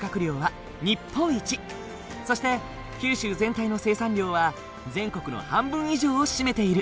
そして九州全体の生産量は全国の半分以上を占めている。